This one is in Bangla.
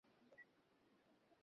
শুধু ছয়জন ভালো মানুষের অপচয়।